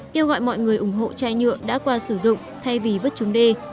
kêu gọi mọi người ủng hộ chai nhựa đã qua sử dụng thay vì vứt chúng đê